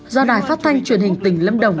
do đài phát thanh truyền hình tỉnh lâm đồng